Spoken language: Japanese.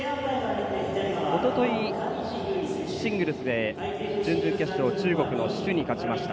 おととい、シングルスで準々決勝、中国の朱に勝ちました。